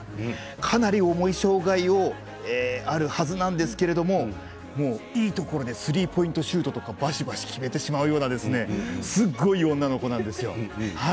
かなり重い障がいがあるはずなんですけどもいいところでスリーポイントシュートとかばしばし決めてしまうようなすごい女の子なんですよ。